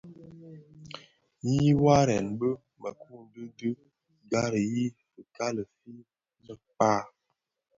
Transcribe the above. Nyi waren bi měkure dhi gari yi fikali fi měkpa.